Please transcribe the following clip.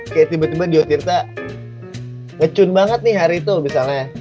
kayak tiba tiba dia tirtah nge tune banget nih hari itu misalnya